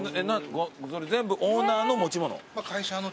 全部オーナーの持ち物？